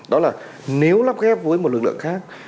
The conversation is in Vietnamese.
đó là nếu lắp ghép với một lực lượng khác